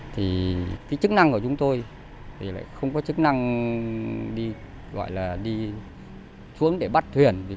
thì cái chức năng của chúng tôi thì lại không có chức năng đi gọi là đi xuống để bắt thuyền